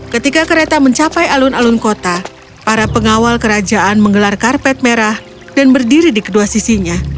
ketika kereta mencapai alun alun kota para pengawal kerajaan menggelar karpet merah dan berdiri di kedua sisinya